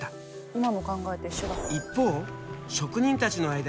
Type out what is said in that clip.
今の考えと一緒だ。